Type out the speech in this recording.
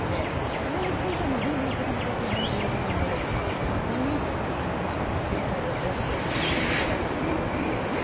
それについても全部やっていかないといけないということで非常に仕事量も多くて大変な仕事なんだそうです。